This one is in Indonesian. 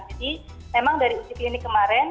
jadi memang dari ujian ini kemarin